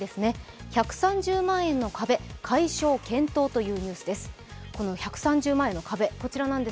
１３０万円の壁、解消検討というニュースです。